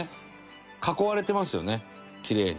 「囲われてますよねキレイに」